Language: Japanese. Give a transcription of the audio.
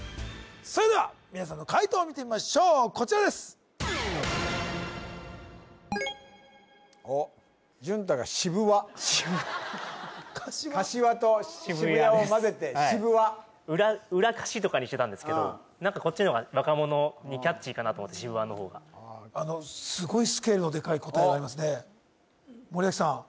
それでは皆さんの解答を見てみましょうこちらですおっ淳太がしぶわ柏と渋谷をまぜてしぶわ渋谷ですはいうらかしとかにしてたんですけど何かこっちの方が若者にキャッチーかなと思ってしぶわの方があのすごいスケールのデカい答えがありますね森脇さん